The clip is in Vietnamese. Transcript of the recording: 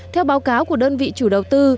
theo báo cáo của đơn vị chủ đầu tư